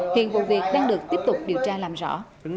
hiện vụ việc đang được tiếp tục điều tra làm rõ